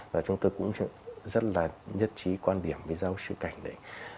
và chúng tôi cũng rất là nhất trí quan điểm với giáo sư cảnh đấy